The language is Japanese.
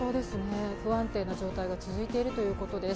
不安定な状態が続いているということです。